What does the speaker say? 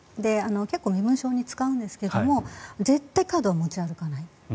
結構、身分証に使うんですが絶対にカードを持ち歩かない。